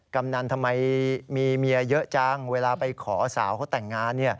กำนันทำไมมีเมียเยอะจังเวลาไปขอสาวเขาแต่งงาน